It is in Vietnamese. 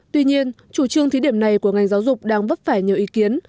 tuy nhiên chủ trương thí điểm này của ngành giáo dục đang vấp phải nhiều ý kiến